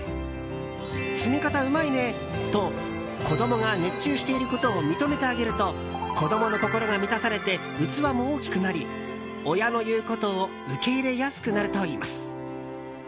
積み方うまいね！と子どもが熱中していることを認めてあげると子供の心が満たされて器も大きくなり親の言うことを受け入れやすくなるといいます。